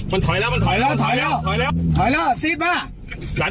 นี่ไงให้ความรู้สึกระทึกมากเลย